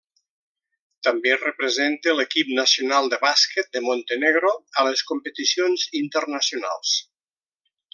També representa l'equip nacional de bàsquet de Montenegro a les competicions internacionals.